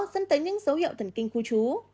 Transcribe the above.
dẫn tới những dấu hiệu thần kinh khu trú